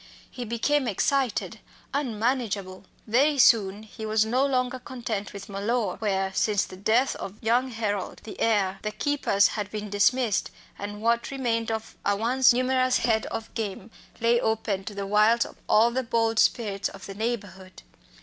He became excited, unmanageable. Very soon he was no longer content with Mellor, where, since the death of young Harold, the heir, the keepers had been dismissed, and what remained of a once numerous head of game lay open to the wiles of all the bold spirits of the neighbourhood.